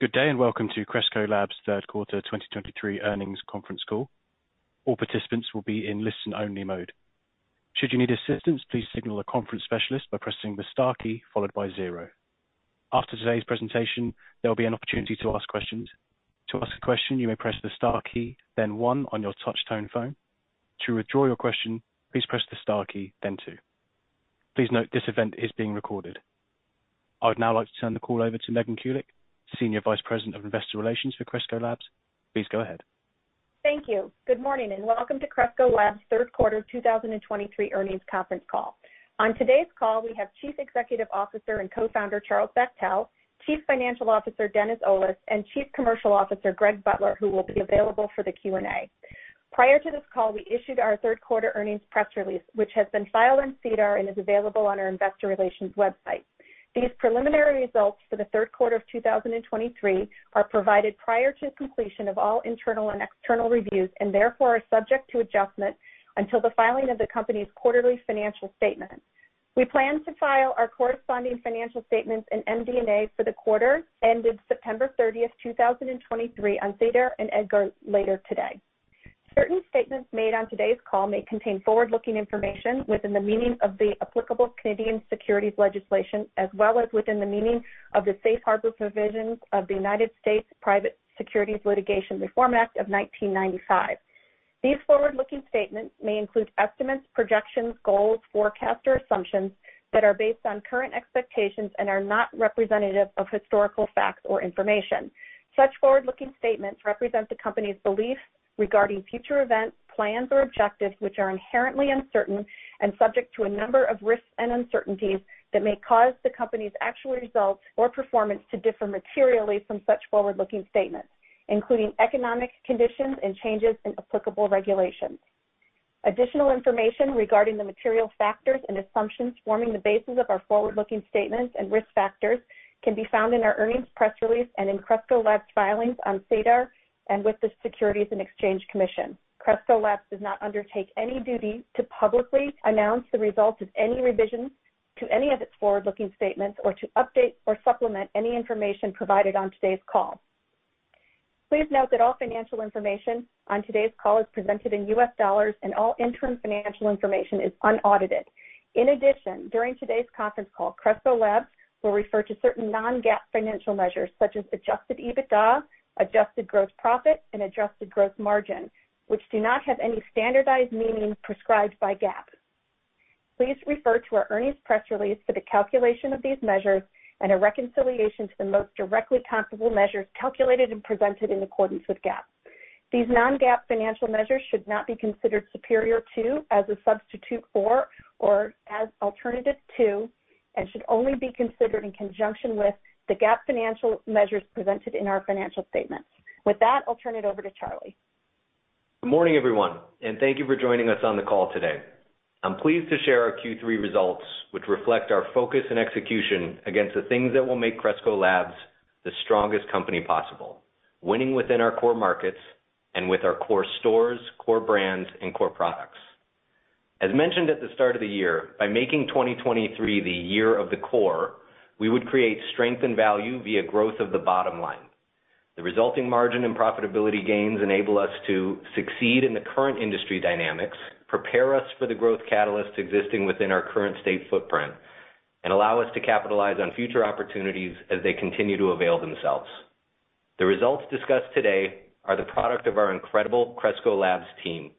Good day, and welcome to Cresco Labs' Q3 2023 Earnings Conference Call. All participants will be in listen-only mode. Should you need assistance, please signal a conference specialist by pressing the star key followed by zero. After today's presentation, there will be an opportunity to ask questions. To ask a question, you may press the star key, then one on your touch-tone phone. To withdraw your question, please press the star key, then two. Please note, this event is being recorded. I'd now like to turn the call over to Megan Kulick, Senior Vice President of Investor Relations for Cresco Labs. Please go ahead. Thank you. Good morning, and welcome to Cresco Labs' Q3 2023 Earnings Conference Call. On today's call, we have Chief Executive Officer and Co-founder, Charlie Bachtell, Chief Financial Officer, Dennis Olis, and Chief Commercial Officer, Greg Butler, who will be available for the Q&A. Prior to this call, we issued our Q3 earnings press release, which has been filed in SEDAR and is available on our investor relations website. These preliminary results for the Q3 of 2023 are provided prior to completion of all internal and external reviews, and therefore, are subject to adjustment until the filing of the company's quarterly financial statement. We plan to file our corresponding financial statements and MD&A for the quarter ended September 30, 2023 on SEDAR and EDGAR later today. Certain statements made on today's call may contain forward-looking information within the meaning of the applicable Canadian securities legislation, as well as within the meaning of the Safe Harbor Provisions of the United States Private Securities Litigation Reform Act of 1995. These forward-looking statements may include estimates, projections, goals, forecasts, or assumptions that are based on current expectations and are not representative of historical facts or information. Such forward-looking statements represent the company's beliefs regarding future events, plans, or objectives, which are inherently uncertain and subject to a number of risks and uncertainties that may cause the company's actual results or performance to differ materially from such forward-looking statements, including economic conditions and changes in applicable regulations. Additional information regarding the material factors and assumptions forming the basis of our forward-looking statements and risk factors can be found in our earnings press release and in Cresco Labs filings on SEDAR and with the Securities and Exchange Commission. Cresco Labs does not undertake any duty to publicly announce the results of any revisions to any of its forward-looking statements or to update or supplement any information provided on today's call. Please note that all financial information on today's call is presented in U.S. dollars, and all interim financial information is unaudited. In addition, during today's conference call, Cresco Labs will refer to certain non-GAAP financial measures such as adjusted EBITDA, adjusted gross profit, and adjusted gross margin, which do not have any standardized meaning prescribed by GAAP. Please refer to our earnings press release for the calculation of these measures and a reconciliation to the most directly comparable measures calculated and presented in accordance with GAAP. These non-GAAP financial measures should not be considered superior to, as a substitute for, or as alternative to, and should only be considered in conjunction with the GAAP financial measures presented in our financial statements. With that, I'll turn it over to Charlie. Good morning, everyone, and thank you for joining us on the call today. I'm pleased to share our Q3 results, which reflect our focus and execution against the things that will make Cresco Labs the strongest company possible, winning within our core markets and with our core stores, core brands, and core products. As mentioned at the start of the year, by making 2023 the Year of the Core, we would create strength and value via growth of the bottom line. The resulting margin and profitability gains enable us to succeed in the current industry dynamics, prepare us for the growth catalysts existing within our current state footprint, and allow us to capitalize on future opportunities as they continue to avail themselves. The results discussed today are the product of our incredible Cresco Labs team.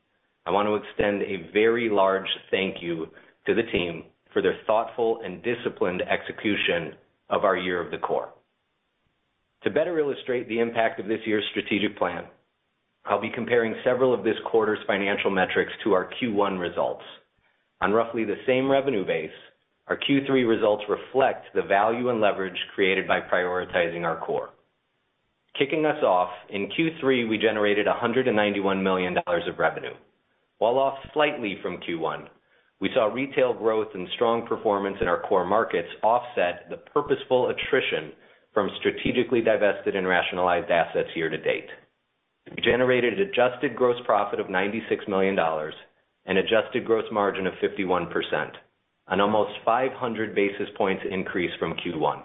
I want to extend a very large thank you to the team for their thoughtful and disciplined execution of our Year of the Core. To better illustrate the impact of this year's strategic plan, I'll be comparing several of this quarter's financial metrics to our Q1 results. On roughly the same revenue base, our Q3 results reflect the value and leverage created by prioritizing our core. Kicking us off, in Q3, we generated $191 million of revenue. While off slightly from Q1, we saw retail growth and strong performance in our core markets offset the purposeful attrition from strategically divested and rationalized assets year to date. We generated adjusted gross profit of $96 million and adjusted gross margin of 51%, an almost 500 basis points increase from Q1.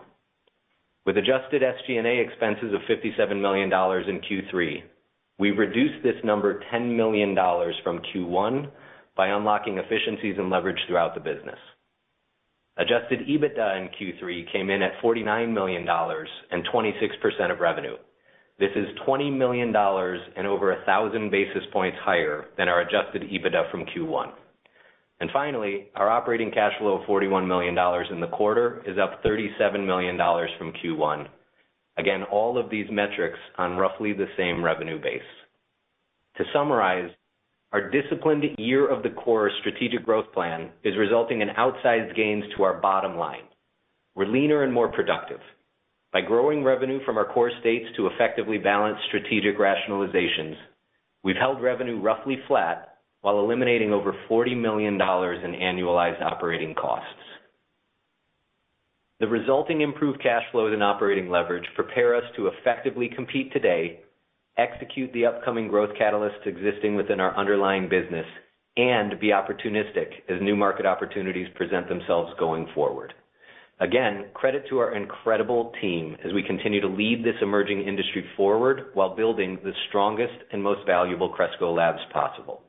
With adjusted SG&A expenses of $57 million in Q3, we've reduced this number $10 million from Q1 by unlocking efficiencies and leverage throughout the business. Adjusted EBITDA in Q3 came in at $49 million and 26% of revenue. This is $20 million and over 1,000 basis points higher than our adjusted EBITDA from Q1. And finally, our operating cash flow of $41 million in the quarter is up $37 million from Q1. Again, all of these metrics on roughly the same revenue base. To summarize, our disciplined Year of the Core strategic growth plan is resulting in outsized gains to our bottom line. We're leaner and more productive. By growing revenue from our core states to effectively balance strategic rationalizations, we've held revenue roughly flat while eliminating over $40 million in annualized operating costs. The resulting improved cash flow and operating leverage prepare us to effectively compete today, execute the upcoming growth catalysts existing within our underlying business, and be opportunistic as new market opportunities present themselves going forward. Again, credit to our incredible team as we continue to lead this emerging industry forward, while building the strongest and most valuable Cresco Labs possible.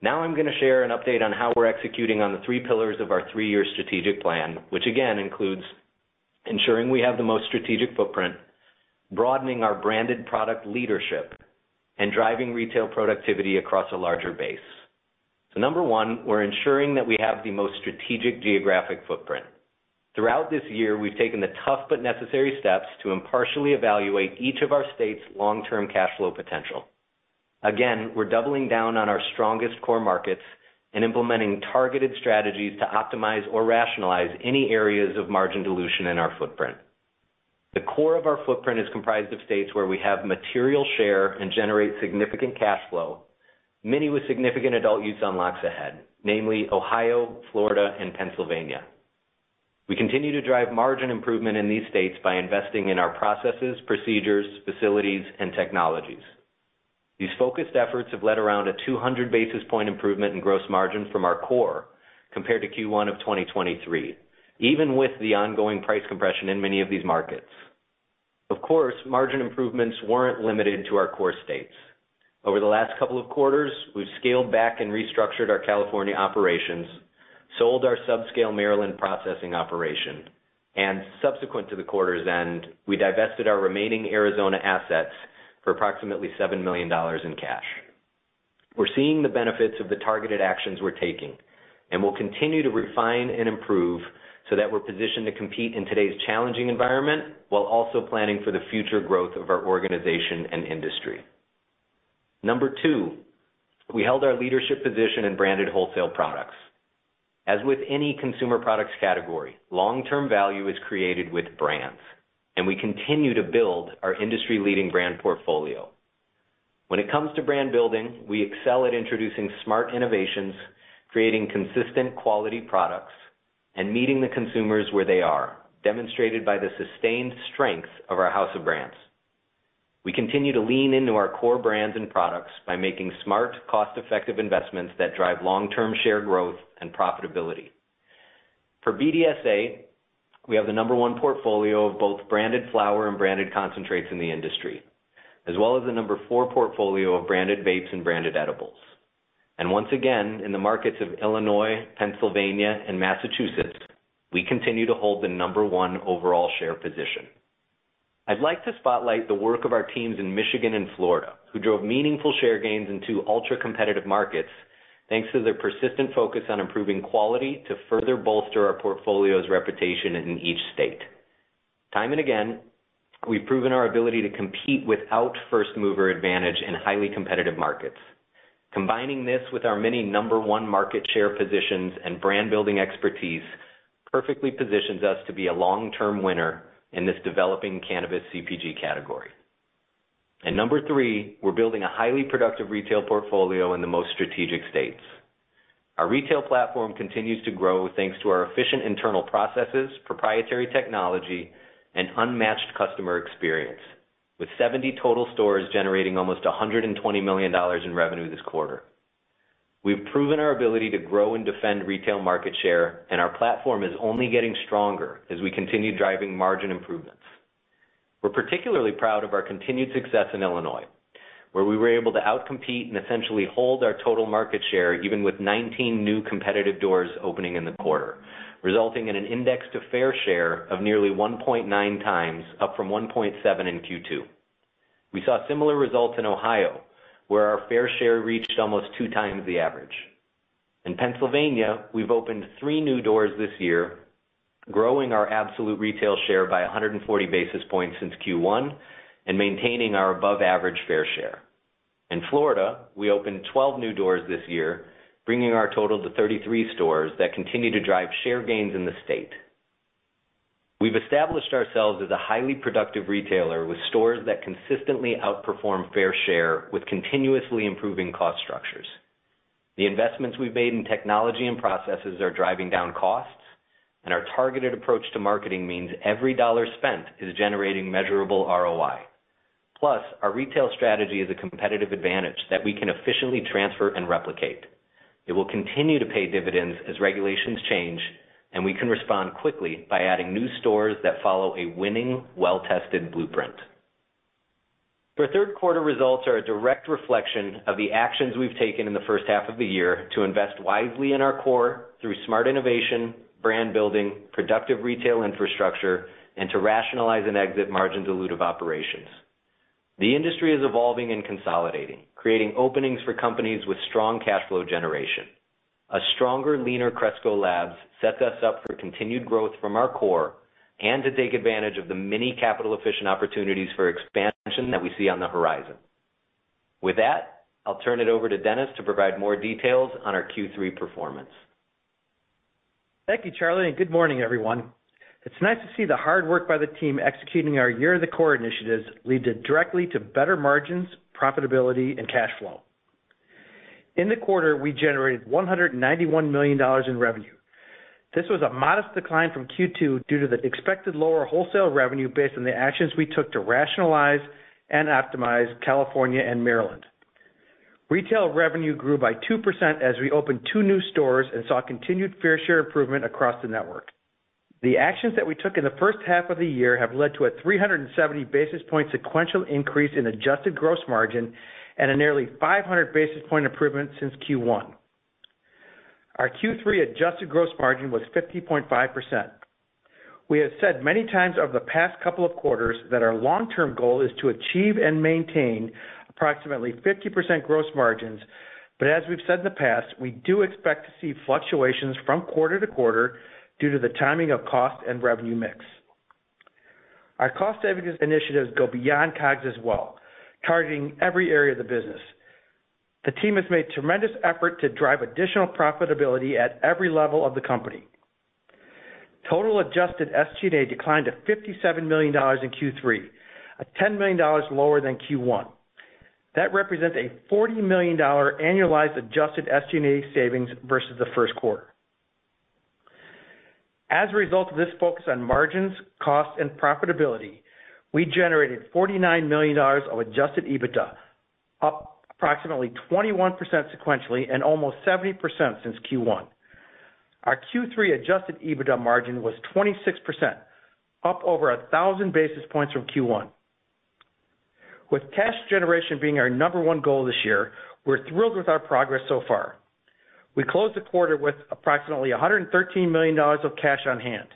Now I'm gonna share an update on how we're executing on the three pillars of our three-year strategic plan, which again, includes ensuring we have the most strategic footprint, broadening our branded product leadership, and driving retail productivity across a larger base. So number one, we're ensuring that we have the most strategic geographic footprint. Throughout this year, we've taken the tough but necessary steps to impartially evaluate each of our states' long-term cash flow potential. Again, we're doubling down on our strongest core markets and implementing targeted strategies to optimize or rationalize any areas of margin dilution in our footprint. The core of our footprint is comprised of states where we have material share and generate significant cash flow, many with significant adult-use unlocks ahead, namely Ohio, Florida, and Pennsylvania. We continue to drive margin improvement in these states by investing in our processes, procedures, facilities, and technologies. These focused efforts have led around a 200 basis point improvement in gross margin from our core compared to Q1 of 2023, even with the ongoing price compression in many of these markets. Of course, margin improvements weren't limited to our core states. Over the last couple of quarters, we've scaled back and restructured our California operations, sold our subscale Maryland processing operation, and subsequent to the quarter's end, we divested our remaining Arizona assets for approximately $7 million in cash. We're seeing the benefits of the targeted actions we're taking, and we'll continue to refine and improve so that we're positioned to compete in today's challenging environment, while also planning for the future growth of our organization and industry. Number two, we held our leadership position in branded wholesale products. As with any consumer products category, long-term value is created with brands, and we continue to build our industry-leading brand portfolio. When it comes to brand building, we excel at introducing smart innovations, creating consistent quality products, and meeting the consumers where they are, demonstrated by the sustained strength of our house of brands. We continue to lean into our core brands and products by making smart, cost-effective investments that drive long-term share growth and profitability. For BDSA, we have the number one portfolio of both branded flower and branded concentrates in the industry, as well as the number four portfolio of branded vapes and branded edibles. Once again, in the markets of Illinois, Pennsylvania, and Massachusetts, we continue to hold the number one overall share position. I'd like to spotlight the work of our teams in Michigan and Florida, who drove meaningful share gains in two ultra-competitive markets, thanks to their persistent focus on improving quality to further bolster our portfolio's reputation in each state. Time and again, we've proven our ability to compete without first-mover advantage in highly competitive markets. Combining this with our many number one market share positions and brand-building expertise, perfectly positions us to be a long-term winner in this developing cannabis CPG category. And number three, we're building a highly productive retail portfolio in the most strategic states. Our retail platform continues to grow thanks to our efficient internal processes, proprietary technology, and unmatched customer experience, with 70 total stores generating almost $120 million in revenue this quarter. We've proven our ability to grow and defend retail market share, and our platform is only getting stronger as we continue driving margin improvements. We're particularly proud of our continued success in Illinois, where we were able to out-compete and essentially hold our total market share, even with 19 new competitive doors opening in the quarter, resulting in an index to fair share of nearly 1.9 times, up from 1.7 in Q2. We saw similar results in Ohio, where our fair share reached almost 2x the average. In Pennsylvania, we've opened three new doors this year, growing our absolute retail share by 140 basis points since Q1, and maintaining our above average fair share. In Florida, we opened 12 new doors this year, bringing our total to 33 stores that continue to drive share gains in the state. We've established ourselves as a highly productive retailer with stores that consistently outperform fair share, with continuously improving cost structures. The investments we've made in technology and processes are driving down costs, and our targeted approach to marketing means every dollar spent is generating measurable ROI. Plus, our retail strategy is a competitive advantage that we can efficiently transfer and replicate. It will continue to pay dividends as regulations change, and we can respond quickly by adding new stores that follow a winning, well-tested blueprint. Our Q3 results are a direct reflection of the actions we've taken in the H1 of the year to invest wisely in our core through smart innovation, brand building, productive retail infrastructure, and to rationalize and exit margin-dilutive operations. The industry is evolving and consolidating, creating openings for companies with strong cash flow generation. A stronger, leaner Cresco Labs sets us up for continued growth from our core and to take advantage of the many capital-efficient opportunities for expansion that we see on the horizon. With that, I'll turn it over to Dennis to provide more details on our Q3 performance. Thank you, Charlie, and good morning, everyone. It's nice to see the hard work by the team executing our Year of the Core initiatives lead to directly to better margins, profitability, and cash flow. In the quarter, we generated $191 million in revenue. This was a modest decline from Q2 due to the expected lower wholesale revenue based on the actions we took to rationalize and optimize California and Maryland. Retail revenue grew by 2% as we opened two new stores and saw continued fair share improvement across the network. The actions that we took in the H1 of the year have led to a 370 basis points sequential increase in adjusted gross margin and a nearly 500 basis points improvement since Q1. Our Q3 Adjusted Gross Margin was 50.5%. We have said many times over the past couple of quarters that our long-term goal is to achieve and maintain approximately 50% gross margins. But as we've said in the past, we do expect to see fluctuations from quarter to quarter due to the timing of cost and revenue mix. Our cost savings initiatives go beyond COGS as well, targeting every area of the business. The team has made tremendous effort to drive additional profitability at every level of the company. Total adjusted SG&A declined to $57 million in Q3, a $10 million lower than Q1. That represents a $40 million annualized adjusted SG&A savings versus the Q1. As a result of this focus on margins, cost, and profitability, we generated $49 million of adjusted EBITDA, up approximately 21% sequentially and almost 70% since Q1. Our Q3 adjusted EBITDA margin was 26%, up over 1,000 basis points from Q1. With cash generation being our number one goal this year, we're thrilled with our progress so far. We closed the quarter with approximately $113 million of cash on hand.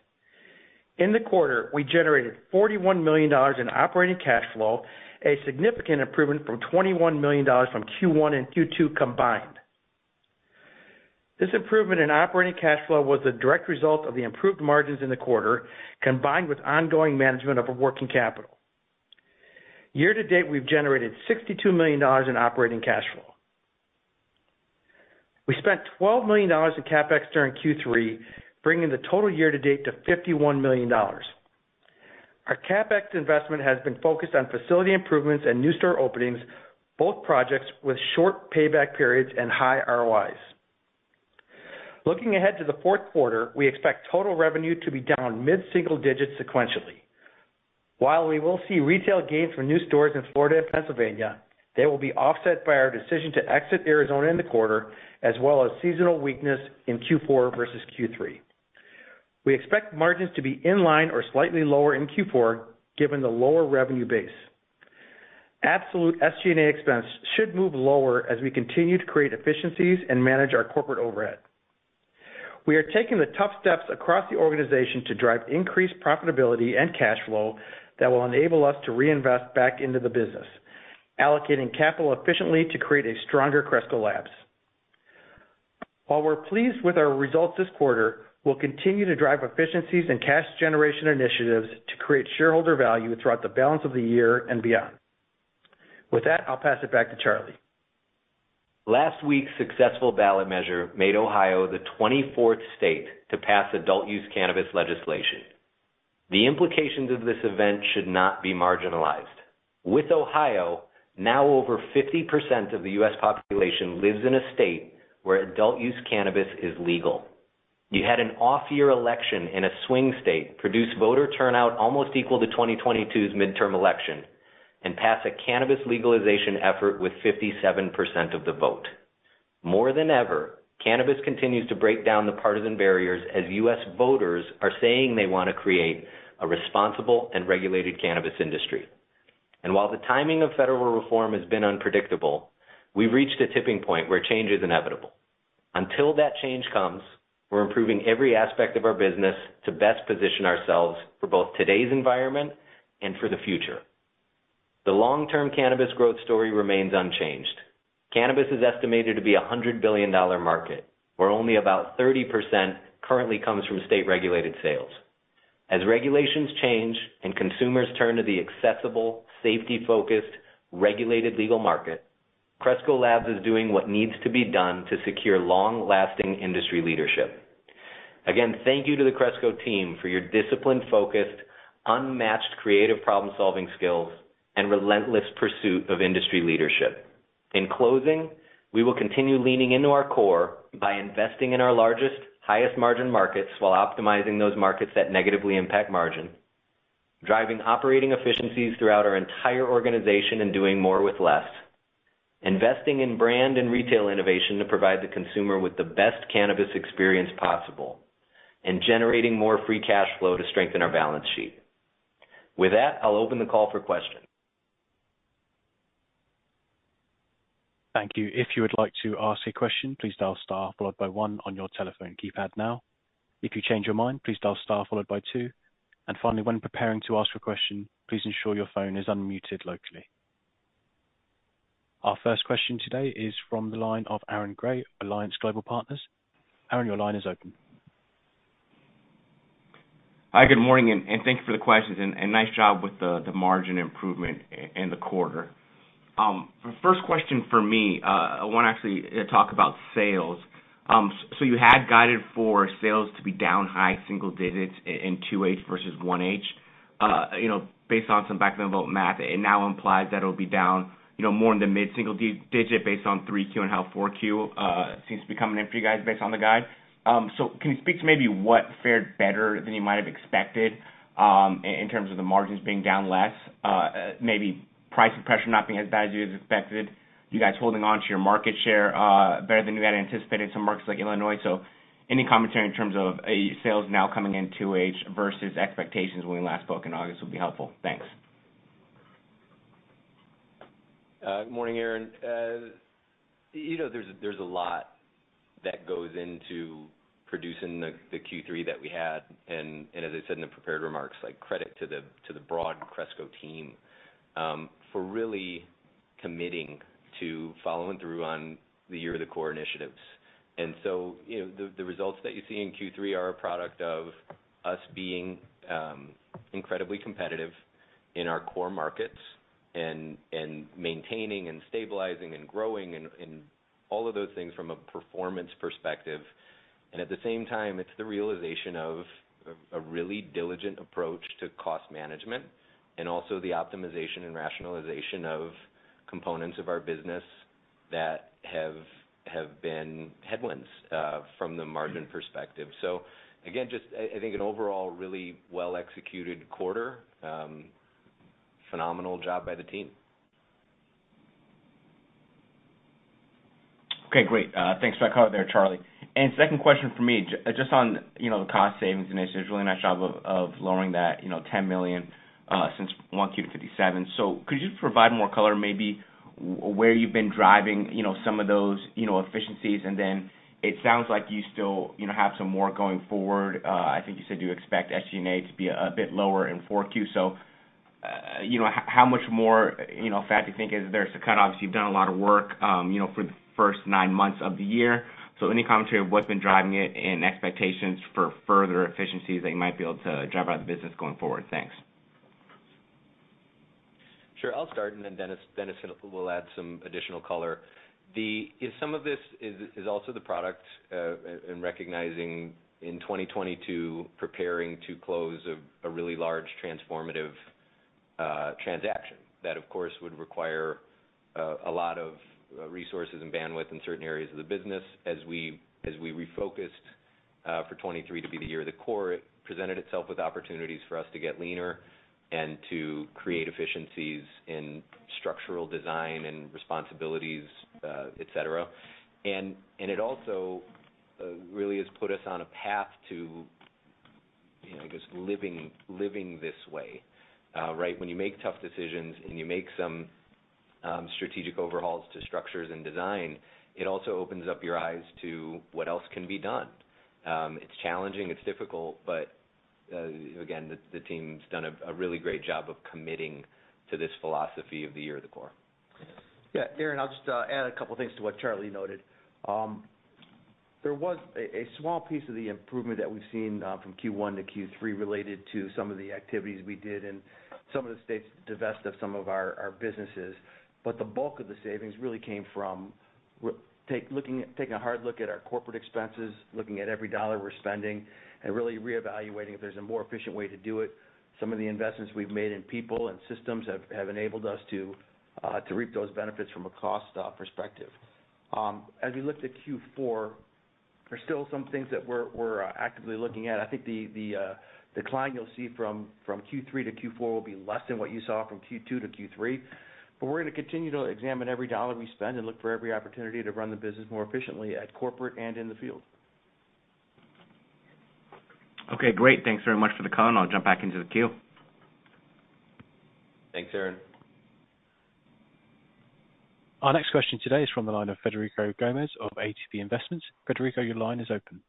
In the quarter, we generated $41 million in operating cash flow, a significant improvement from $21 million from Q1 and Q2 combined. This improvement in operating cash flow was a direct result of the improved margins in the quarter, combined with ongoing management of our working capital. Year to date, we've generated $62 million in operating cash flow. We spent $12 million in CapEx during Q3, bringing the total year to date to $51 million. Our CapEx investment has been focused on facility improvements and new store openings, both projects with short payback periods and high ROIs. Looking ahead to the Q4, we expect total revenue to be down mid-single digits sequentially. While we will see retail gains from new stores in Florida and Pennsylvania, they will be offset by our decision to exit Arizona in the quarter, as well as seasonal weakness in Q4 versus Q3. We expect margins to be in line or slightly lower in Q4, given the lower revenue base. Absolute SG&A expense should move lower as we continue to create efficiencies and manage our corporate overhead. We are taking the tough steps across the organization to drive increased profitability and cash flow that will enable us to reinvest back into the business, allocating capital efficiently to create a stronger Cresco Labs. While we're pleased with our results this quarter, we'll continue to drive efficiencies and cash generation initiatives to create shareholder value throughout the balance of the year and beyond. With that, I'll pass it back to Charlie. Last week's successful ballot measure made Ohio the 24th state to pass adult-use cannabis legislation. The implications of this event should not be marginalized. With Ohio, now over 50% of the U.S. population lives in a state where adult-use cannabis is legal. You had an off-year election in a swing state, produced voter turnout almost equal to 2022's midterm election, and passed a cannabis legalization effort with 57% of the vote. More than ever, cannabis continues to break down the partisan barriers as U.S. voters are saying they want to create a responsible and regulated cannabis industry. And while the timing of federal reform has been unpredictable, we've reached a tipping point where change is inevitable. Until that change comes, we're improving every aspect of our business to best position ourselves for both today's environment and for the future. The long-term cannabis growth story remains unchanged. Cannabis is estimated to be a $100 billion market, where only about 30% currently comes from state-regulated sales. As regulations change and consumers turn to the accessible, safety-focused, regulated legal market, Cresco Labs is doing what needs to be done to secure long-lasting industry leadership. Again, thank you to the Cresco team for your disciplined, focused, unmatched creative problem-solving skills, and relentless pursuit of industry leadership. In closing, we will continue leaning into our core by investing in our largest, highest-margin markets while optimizing those markets that negatively impact margin, driving operating efficiencies throughout our entire organization and doing more with less, investing in brand and retail innovation to provide the consumer with the best cannabis experience possible, and generating more free cash flow to strengthen our balance sheet. With that, I'll open the call for questions. Thank you. If you would like to ask a question, please dial star followed by one on your telephone keypad now. If you change your mind, please dial star followed by two. And finally, when preparing to ask a question, please ensure your phone is unmuted locally. Our first question today is from the line of Aaron Grey, Alliance Global Partners. Aaron, your line is open. Hi, good morning, and thank you for the questions, and nice job with the margin improvement in the quarter. The first question for me, I want to actually talk about sales. So you had guided for sales to be down high single digits in 2H versus 1H. Based on some back-of-the-envelope math, it now implies that it'll be down, you know, more in the mid-single-digit based on 3Q and how 4Q seems to be coming in for you guys based on the guide. So can you speak to maybe what fared better than you might have expected, in terms of the margins being down less? Maybe price and pressure not being as bad as you had expected, you guys holding on to your market share, better than you had anticipated, some markets like Illinois. So any commentary in terms of, sales now coming in 2H versus expectations when we last spoke in August would be helpful. Thanks. Good morning, Aaron. You know, there's a lot that goes into producing the Q3 that we had, and as I said in the prepared remarks, like, credit to the broad Cresco team for really committing to following through on the Year of the Core initiatives. And so, you know, the results that you see in Q3 are a product of us being incredibly competitive in our core markets and maintaining, and stabilizing, and growing and all of those things from a performance perspective. And at the same time, it's the realization of a really diligent approach to cost management, and also the optimization and rationalization of components of our business that have been headwinds from the margin perspective. So again, just I think an overall really well-executed quarter. Phenomenal job by the team. Okay, great. Thanks for that color there, Charlie. Second question for me, just on, you know, the cost savings, and it's a really nice job of lowering that, you know, $10 million since Q1 to 57. So could you just provide more color, maybe where you've been driving, you know, some of those, you know, efficiencies? And then it sounds like you still, you know, have some more going forward. I think you said you expect SG&A to be a bit lower in Q4. So, you know, how much more, you know, fat you think is there to cut off? You've done a lot of work for the first nine months of the year. Any commentary of what's been driving it and expectations for further efficiencies that you might be able to drive out of the business going forward? Thanks. Sure. I'll start, and then Dennis will add some additional color. And some of this is also the product of recognizing in 2022, preparing to close a really large transformative transaction. That, of course, would require a lot of resources and bandwidth in certain areas of the business. As we refocused for 2023 to be the Year of the Core, it presented itself with opportunities for us to get leaner and to create efficiencies in structural design and responsibilities, et cetera. And it also really has put us on a path to, you know, I guess, living this way. Right, when you make tough decisions and you make some strategic overhauls to structures and design, it also opens up your eyes to what else can be done. It's challenging, it's difficult, but again, the team's done a really great job of committing to this philosophy of the Year of the Core. Yeah, Aaron, I'll just add a couple of things to what Charlie noted. There was a small piece of the improvement that we've seen from Q1 to Q3 related to some of the activities we did in some of the states, divest of some of our businesses. But the bulk of the savings really came from taking a hard look at our corporate expenses, looking at every dollar we're spending, and really reevaluating if there's a more efficient way to do it. Some of the investments we've made in people and systems have enabled us to reap those benefits from a cost perspective. As we look to Q4, there's still some things that we're actively looking at. I think the decline you'll see from Q3 to Q4 will be less than what you saw from Q2 to Q3. But we're going to continue to examine every dollar we spend and look for every opportunity to run the business more efficiently at corporate and in the field. Okay, great. Thanks very much for the call, and I'll jump back into the queue. Thanks, Aaron. Our next question today is from the line of Frederico Gomes of ATB Capital Markets. Frederico, your line is open.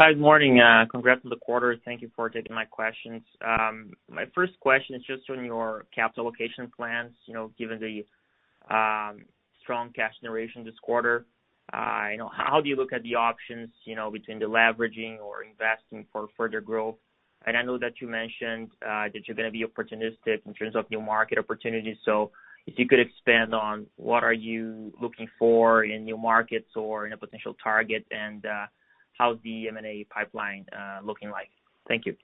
Hi, good morning. Congrats on the quarter. Thank you for taking my questions. My first question is just on your capital allocation plans. You know, given the strong cash generation this quarter, you know, how do you look at the options, you know, between the leveraging or investing for further growth? And I know that you mentioned that you're going to be opportunistic in terms of new market opportunities. So if you could expand on what are you looking for in new markets or in a potential target, and how the M&A pipeline looking like? Thank you.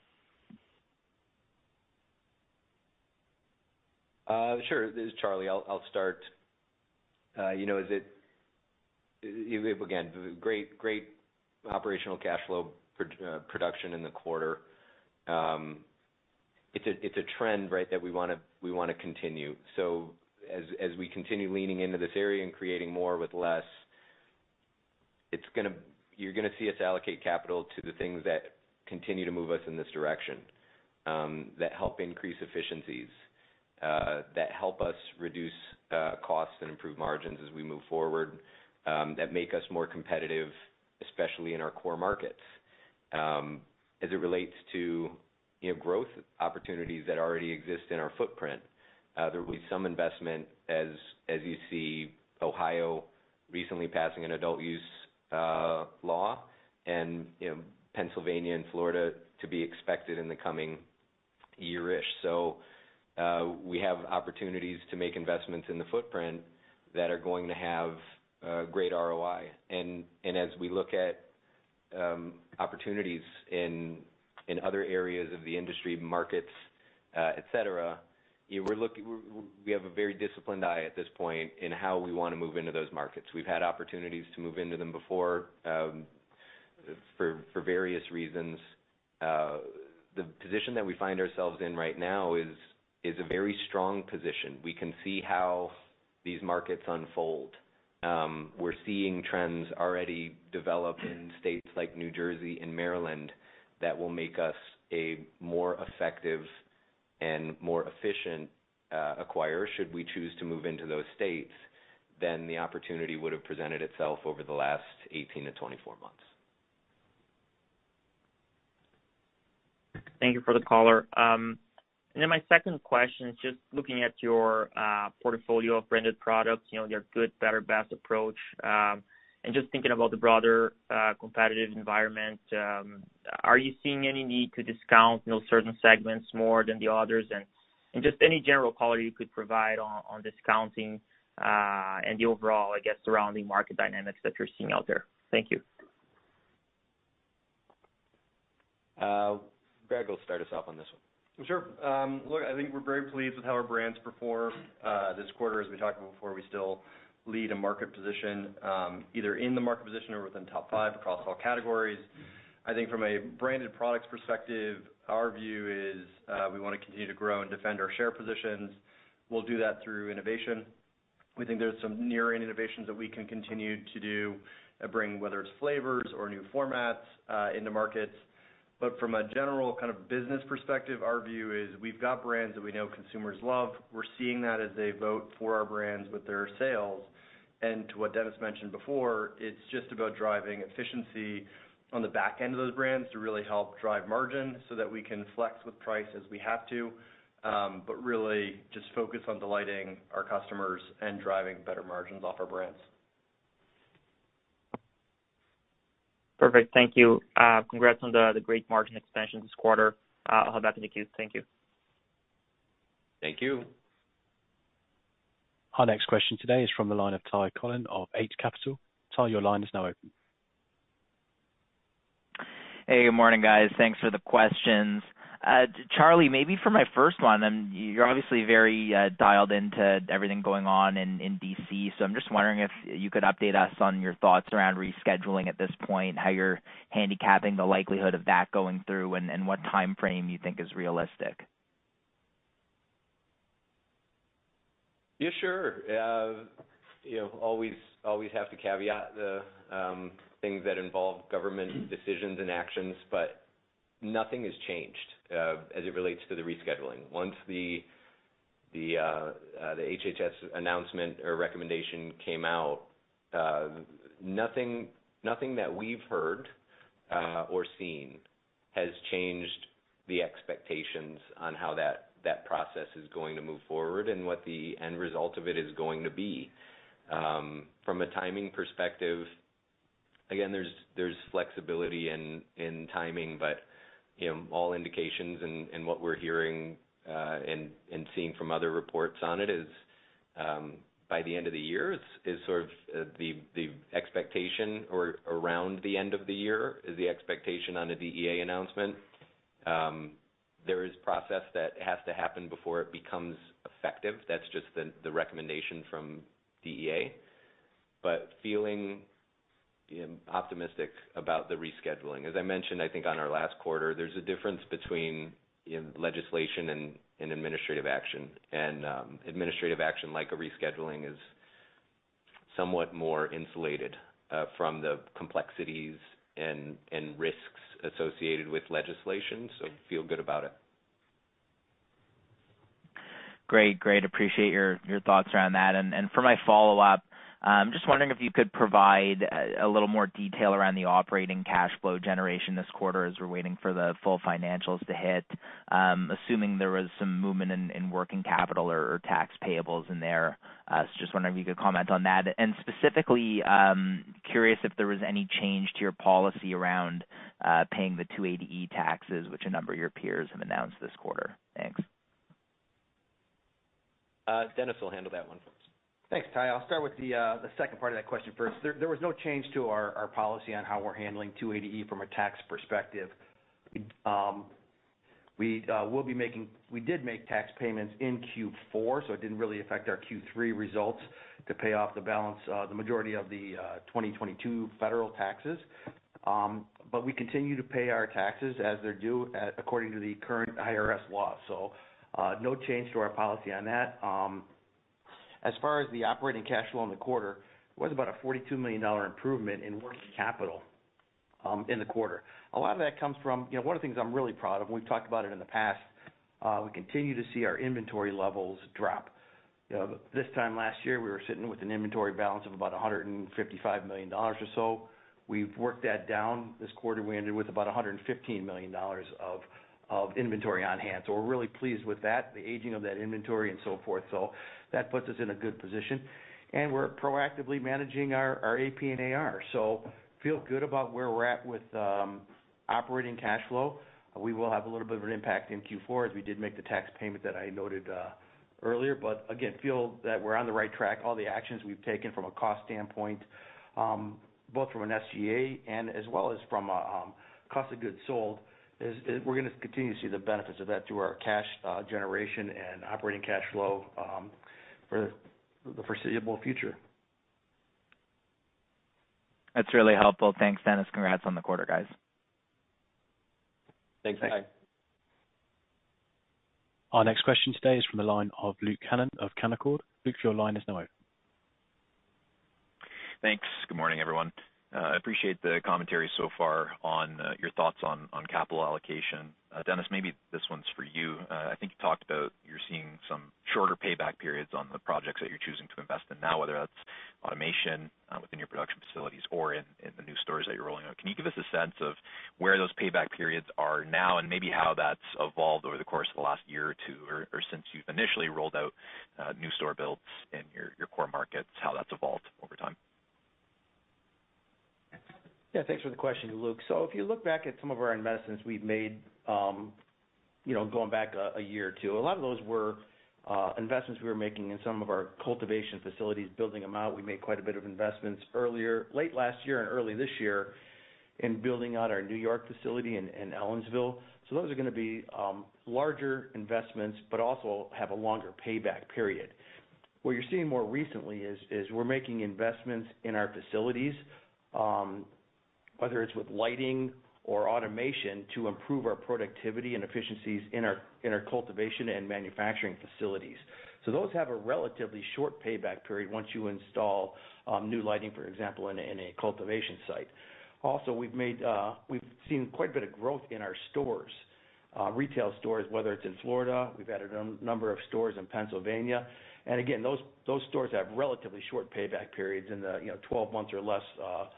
Sure. This is Charlie. I'll start. Again, great operational cash flow production in the quarter. It's a trend, right, that we wanna continue. So as we continue leaning into this area and creating more with less, you're gonna see us allocate capital to the things that continue to move us in this direction, that help increase efficiencies, that help us reduce costs and improve margins as we move forward, that make us more competitive, especially in our core markets. As it relates to, you know, growth opportunities that already exist in our footprint, there will be some investment as you see Ohio recently passing an adult-use law and, you know, Pennsylvania and Florida to be expected in the coming year-ish. So, we have opportunities to make investments in the footprint that are going to have great ROI. And as we look at opportunities in other areas of the industry, markets, et cetera, we have a very disciplined eye at this point in how we want to move into those markets. We've had opportunities to move into them before, for various reasons. The position that we find ourselves in right now is a very strong position. We can see how these markets unfold. We're seeing trends already develop in states like New Jersey and Maryland that will make us a more effective and more efficient acquirer, should we choose to move into those states, than the opportunity would have presented itself over the last 18 to 24 months. Thank you for the color. And then my second question, just looking at your portfolio of branded products, you know, your good, better, best approach, and just thinking about the broader competitive environment, are you seeing any need to discount, you know, certain segments more than the others? And just any general color you could provide on discounting and the overall, I guess, surrounding market dynamics that you're seeing out there. Thank you. Greg will start us off on this one. Sure. Look, I think we're very pleased with how our brands performed this quarter. As we talked about before, we still lead a market position, either in the market position or within top five across all categories. I think from a branded products perspective, our view is, we want to continue to grow and defend our share positions. We'll do that through innovation. We think there's some near-end innovations that we can continue to do, bring, whether it's flavors or new formats, into markets. But from a general kind of business perspective, our view is we've got brands that we know consumers love. We're seeing that as they vote for our brands with their sales. To what Dennis mentioned before, it's just about driving efficiency on the back end of those brands to really help drive margin so that we can flex with price as we have to, but really just focus on delighting our customers and driving better margins off our brands. Perfect. Thank you. Congrats on the great margin expansion this quarter. I'll hop back in the queue. Thank you. Thank you. Our next question today is from the line of Ty Collin of Eight Capital. Ty, your line is now open. Hey, good morning, guys. Thanks for the questions. Charlie, maybe for my first one, then, you're obviously very dialed into everything going on in D.C., so I'm just wondering if you could update us on your thoughts around rescheduling at this point, how you're handicapping the likelihood of that going through, and what timeframe you think is realistic? Yeah, sure. You know, always, always have to caveat the things that involve government decisions and actions, but nothing has changed as it relates to the rescheduling. Once the HHS announcement or recommendation came out, nothing, nothing that we've heard or seen has changed the expectations on how that process is going to move forward and what the end result of it is going to be. From a timing perspective, again, there's flexibility in timing, but you know, all indications and what we're hearing and seeing from other reports on it is by the end of the year is sort of the expectation, or around the end of the year, is the expectation on a DEA announcement. There is process that has to happen before it becomes effective. That's just the recommendation from DEA, but feeling optimistic about the rescheduling. As I mentioned, I think on our last quarter, there's a difference between legislation and administrative action. And administrative action, like a rescheduling, is somewhat more insulated from the complexities and risks associated with legislation, so feel good about it. Great. Great. Appreciate your, your thoughts around that. And for my follow-up, just wondering if you could provide a little more detail around the operating cash flow generation this quarter as we're waiting for the full financials to hit, assuming there was some movement in working capital or tax payables in there. So just wondering if you could comment on that. And specifically, curious if there was any change to your policy around paying the 280E taxes, which a number of your peers have announced this quarter. Thanks. Dennis will handle that one. Thanks, Ty. I'll start with the second part of that question first. There was no change to our policy on how we're handling 280E from a tax perspective. We will be making... We did make tax payments in Q4, so it didn't really affect our Q3 results to pay off the balance, the majority of the 2022 federal taxes. But we continue to pay our taxes as they're due, according to the current IRS law. So, no change to our policy on that. As far as the operating cash flow in the quarter, it was about a $42 million improvement in working capital, in the quarter. A lot of that comes from, you know, one of the things I'm really proud of, and we've talked about it in the past, we continue to see our inventory levels drop. You know, this time last year, we were sitting with an inventory balance of about $155 million or so. We've worked that down. This quarter, we ended with about $115 million of inventory on hand. So we're really pleased with that, the aging of that inventory and so forth. So that puts us in a good position, and we're proactively managing our AP and AR. So feel good about where we're at with operating cash flow, we will have a little bit of an impact in Q4, as we did make the tax payment that I noted earlier. But again, feel that we're on the right track. All the actions we've taken from a cost standpoint, both from an SG&A and as well as from a cost of goods sold, is we're gonna continue to see the benefits of that through our cash generation and operating cash flow, for the foreseeable future. That's really helpful. Thanks, Dennis. Congrats on the quarter, guys. Thanks, Ty. Our next question today is from the line of Luke Hannan of Canaccord. Luke, your line is now open. Thanks. Good morning, everyone. I appreciate the commentary so far on your thoughts on capital allocation. Dennis, maybe this one's for you. I think you talked about you're seeing some shorter payback periods on the projects that you're choosing to invest in now, whether that's automation within your production facilities or in the new stores that you're rolling out. Can you give us a sense of where those payback periods are now, and maybe how that's evolved over the course of the last year or two, or since you've initially rolled out new store builds in your core markets, how that's evolved over time? Yeah, thanks for the question, Luke. So if you look back at some of our investments we've made, you know, going back a year or two, a lot of those were investments we were making in some of our cultivation facilities, building them out. We made quite a bit of investments earlier, late last year and early this year in building out our New York facility in Ellenville. So those are gonna be larger investments, but also have a longer payback period. What you're seeing more recently is we're making investments in our facilities, whether it's with lighting or automation, to improve our productivity and efficiencies in our cultivation and manufacturing facilities. So those have a relatively short payback period once you install new lighting, for example, in a cultivation site. Also, we've seen quite a bit of growth in our stores, retail stores, whether it's in Florida. We've added a number of stores in Pennsylvania. And again, those stores have relatively short payback periods in the, you know, 12 months or less, time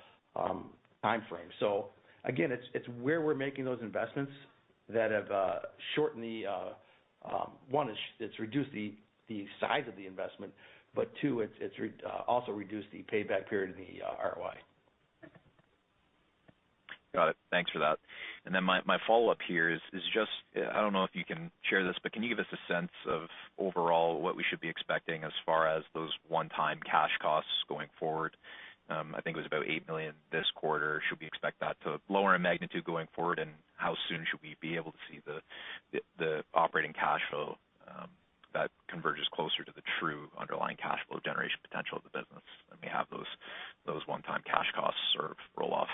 frame. So again, it's where we're making those investments that have shortened the. One, it's reduced the size of the investment, but two, it's also reduced the payback period and the ROI. Got it. Thanks for that. And then my follow-up here is just, I don't know if you can share this, but can you give us a sense of overall what we should be expecting as far as those one-time cash costs going forward? I think it was about $8 million this quarter. Should we expect that to lower in magnitude going forward? And how soon should we be able to see the operating cash flow that converges closer to the true underlying cash flow generation potential of the business, and we have those one-time cash costs sort of roll off?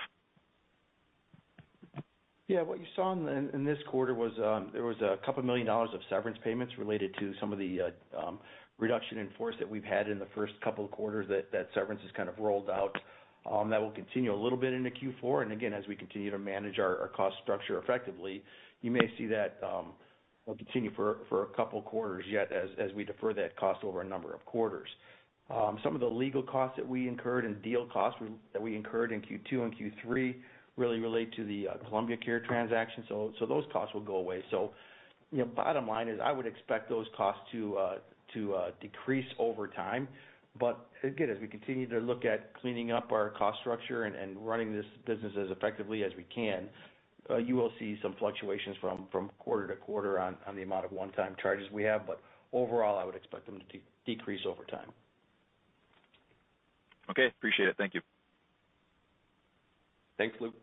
Yeah, what you saw in this quarter was, there was a couple million dollars of severance payments related to some of the reduction in force that we've had in the first couple of quarters that severance is kind of rolled out. That will continue a little bit into Q4. And again, as we continue to manage our cost structure effectively, you may see that will continue for a couple of quarters, yet, as we defer that cost over a number of quarters. Some of the legal costs that we incurred and deal costs that we incurred in Q2 and Q3 really relate to the Columbia Care transaction, so those costs will go away. So, you know, bottom line is, I would expect those costs to decrease over time. But again, as we continue to look at cleaning up our cost structure and running this business as effectively as we can, you will see some fluctuations from quarter to quarter on the amount of one-time charges we have, but overall, I would expect them to decrease over time. Okay, appreciate it. Thank you. Thanks, Luke.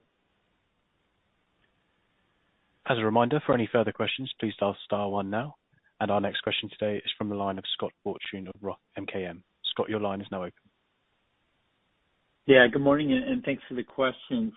As a reminder, for any further questions, please dial star one now. Our next question today is from the line of Scott Fortune of Roth MKM. Scott, your line is now open. Yeah, good morning, and thanks for the questions.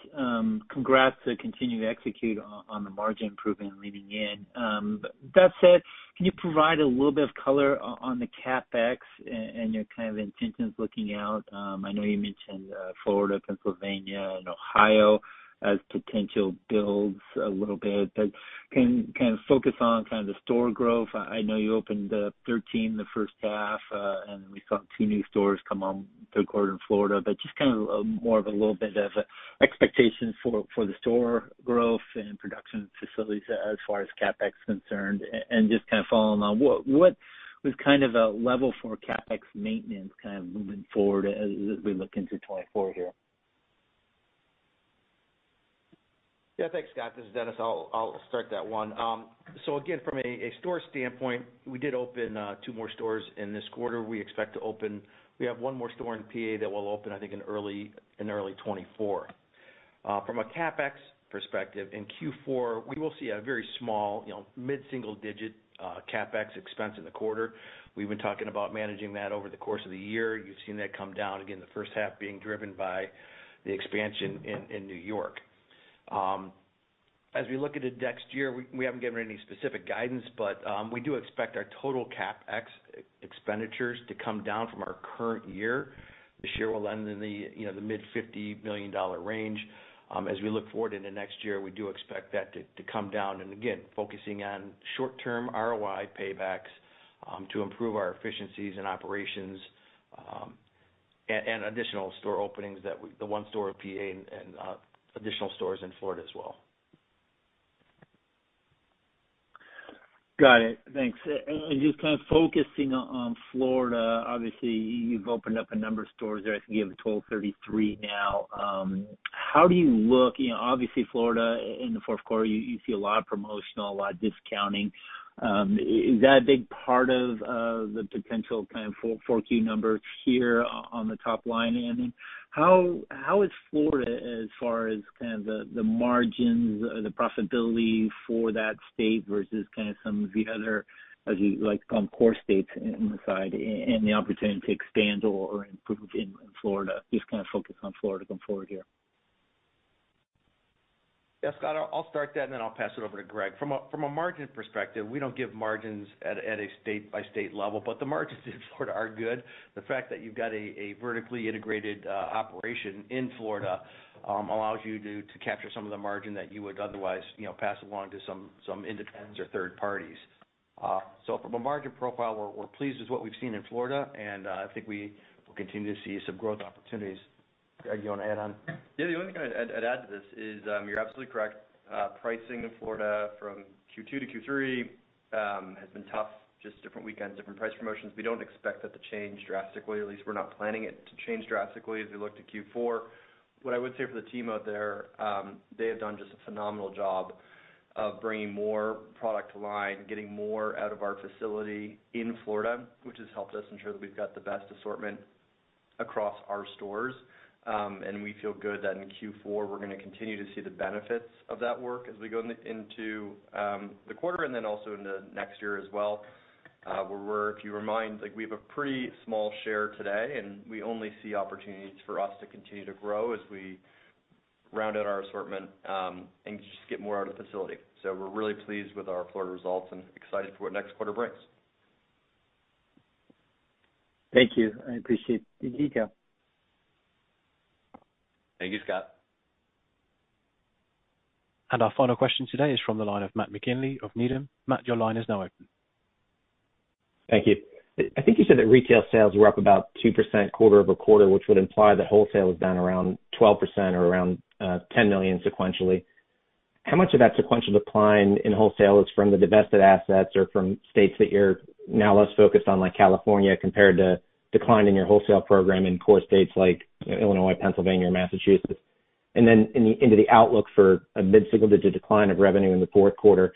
Congrats to continue to execute on the margin improvement and leaning in. But that said, can you provide a little bit of color on the CapEx and your kind of intentions looking out? I know you mentioned Florida, Pennsylvania, and Ohio as potential builds a little bit, but can you kind of focus on kind of the store growth? I know you opened 13 the H1, and we saw two new stores come on Q3 in Florida, but just kind of more of a little bit of a expectation for the store growth and production facilities as far as CapEx is concerned. Just kind of following on, what is kind of a level for CapEx maintenance kind of moving forward as we look into 2024 here? Yeah, thanks, Scott. This is Dennis. I'll start that one. So again, from a store standpoint, we did open 2 more stores in this quarter. We expect to open. We have one more store in PA that will open, I think, in early 2024. From a CapEx perspective, in Q4, we will see a very small, you know, mid-single digit CapEx expense in the quarter. We've been talking about managing that over the course of the year. You've seen that come down again, the H1 being driven by the expansion in New York. As we look at the next year, we haven't given any specific guidance, but we do expect our total CapEx expenditures to come down from our current year. This year will end in the, you know, the mid-$50 million range. As we look forward into next year, we do expect that to come down, and again, focusing on short-term ROI paybacks, to improve our efficiencies and operations, and additional store openings, the one store in PA and additional stores in Florida as well. Got it. Thanks. And just kind of focusing on Florida, obviously, you've opened up a number of stores there. I think you have a total of 33 now. How do you look Florida in the Q4 you see a lot of promotional, a lot of discounting. Is that a big part of the potential kind of Q4 numbers here on the top line, ending? How is Florida as far as kind of the margins or the profitability for that state versus kind of some of the other, as you like to call them, core states in the side, and the opportunity to expand or improve in Florida? Just kind of focus on Florida going forward here. Yeah, Scott, I'll start that, and then I'll pass it over to Greg. From a margin perspective, we don't give margins at a state-by-state level, but the margins in Florida are good. The fact that you've got a vertically integrated operation in Florida allows you to capture some of the margin that you would otherwise, you know, pass along to some independents or third parties. So from a margin profile, we're pleased with what we've seen in Florida, and I think we will continue to see some growth opportunities. Greg, you want to add on? Yeah, the only thing I'd add to this is, you're absolutely correct. Pricing in Florida from Q2 to Q3 has been tough, just different weekends, different price promotions. We don't expect that to change drastically, at least we're not planning it to change drastically as we look to Q4. What I would say for the team out there, they have done just a phenomenal job of bringing more product to line, getting more out of our facility in Florida, which has helped us ensure that we've got the best assortment across our stores. And we feel good that in Q4, we're going to continue to see the benefits of that work as we go into the quarter and then also into next year as well. If you remind, like, we have a pretty small share today, and we only see opportunities for us to continue to grow as we round out our assortment, and just get more out of the facility. So we're really pleased with our Florida results and excited for what next quarter brings. Thank you. I appreciate the detail. Thank you, Scott. Our final question today is from the line of Matt McGinley of Needham. Matt, your line is now open. Thank you. I think you said that retail sales were up about 2% quarter-over-quarter, which would imply that wholesale was down around 12% or around $10 million sequentially. How much of that sequential decline in wholesale is from the divested assets or from states that you're now less focused on, like California, compared to decline in your wholesale program in core states like Illinois, Pennsylvania, or Massachusetts? And then into the outlook for a mid-single-digit decline of revenue in the Q4,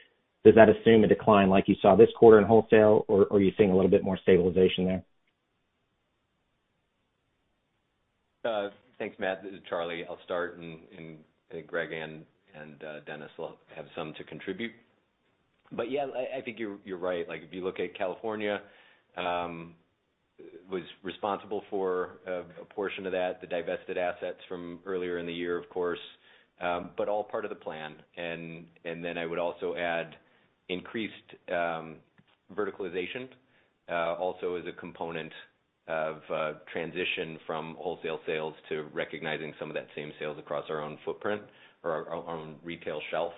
does that assume a decline like you saw this quarter in wholesale, or are you seeing a little bit more stabilization there? Thanks, Matt. This is Charlie. I'll start, and I think Greg and Dennis will have some to contribute. But yeah, I think you're right. Like, if you look at California, was responsible for a portion of that, the divested assets from earlier in the year, of course, but all part of the plan. And then I would also add increased verticalization also as a component of transition from wholesale sales to recognizing some of that same sales across our own footprint or our own retail shelf.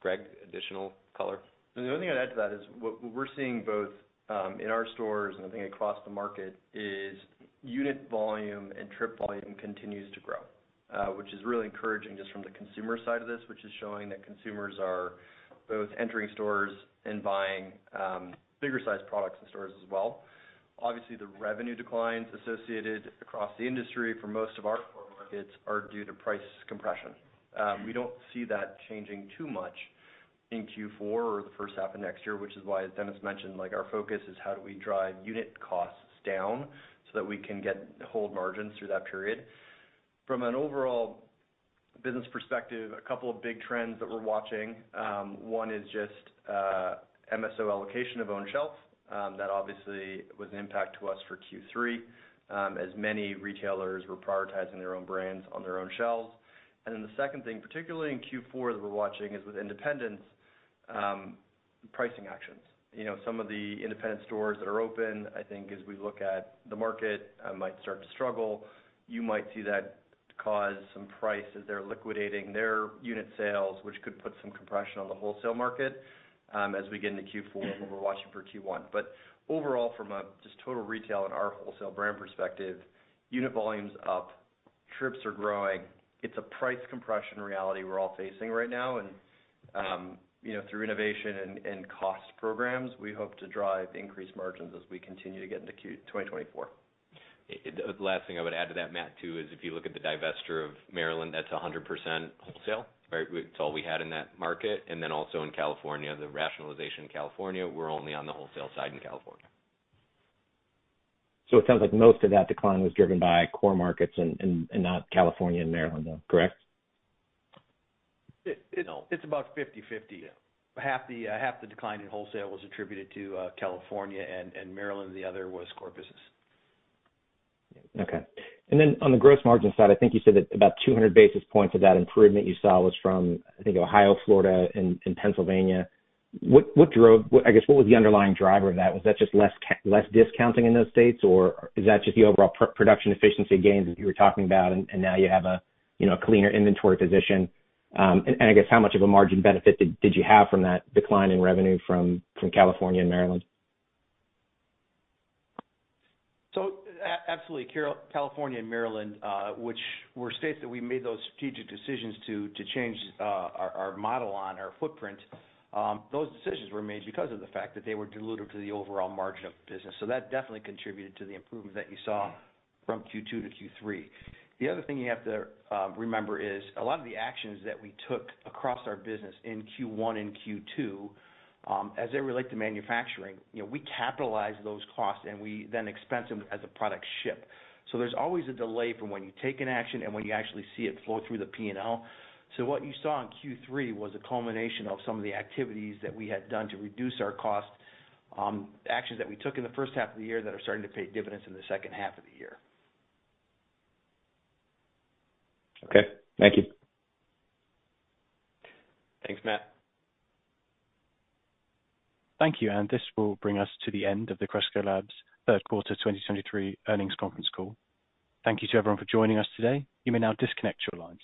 Greg, additional color? The only thing I'd add to that is what we're seeing both in our stores and I think across the market, is unit volume and trip volume continues to grow. Which is really encouraging just from the consumer side of this, which is showing that consumers are both entering stores and buying bigger sized products in stores as well. Obviously, the revenue declines associated across the industry for most of our core markets are due to price compression. We don't see that changing too much in Q4 or the H1 of next year, which is why, as Dennis mentioned, like, our focus is how do we drive unit costs down so that we can get hold margins through that period. From an overall business perspective, a couple of big trends that we're watching. One is just MSO allocation of own shelves. That obviously was an impact to us for Q3, as many retailers were prioritizing their own brands on their own shelves. And then the second thing, particularly in Q4, that we're watching, is with independents, pricing actions. You know, some of the independent stores that are open, I think, as we look at the market, might start to struggle. You might see that cause some price as they're liquidating their unit sales, which could put some compression on the wholesale market, as we get into Q4 and we're watching for Q1. But overall, from a just total retail and our wholesale brand perspective, unit volume's up, trips are growing. It's a price compression reality we're all facing right now, and, you know, through innovation and cost programs, we hope to drive increased margins as we continue to get into 2024. The last thing I would add to that, Matt, too, is if you look at the divestiture of Maryland, that's 100% wholesale, right? It's all we had in that market. And then also in California, the rationalization in California, we're only on the wholesale side in California. So it sounds like most of that decline was driven by core markets and not California and Maryland, though, correct? No, it's about 50/50. The half decline in wholesale was attributed to, California and, and Maryland. The other was core business. Okay. And then on the gross margin side, I think you said that about 200 basis points of that improvement you saw was from, I think, Ohio, Florida, and Pennsylvania. What drove, I guess, what was the underlying driver of that? Was that just less discounting in those states, or is that just the overall production efficiency gains that you were talking about, and now you have a, you know, cleaner inventory position? And I guess how much of a margin benefit did you have from that decline in revenue from California and Maryland? So absolutely, California and Maryland, which were states that we made those strategic decisions to change our model on, our footprint, those decisions were made because of the fact that they were dilutive to the overall margin of business. So that definitely contributed to the improvement that you saw from Q2 to Q3. The other thing you have to remember is, a lot of the actions that we took across our business in Q1 and Q2, as they relate to manufacturing, you know, we capitalize those costs and we then expense them as a product ships. So there's always a delay from when you take an action and when you actually see it flow through the P&L. What you saw in Q3 was a culmination of some of the activities that we had done to reduce our cost, actions that we took in the H1 of the year that are starting to pay dividends in the H2 of the year. Okay. Thank you. Thanks, Matt. Thank you, and this will bring us to the end of the Cresco Labs Q3 2023 Earnings Conference Call. Thank you to everyone for joining us today. You may now disconnect your lines.